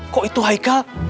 kok itu haikal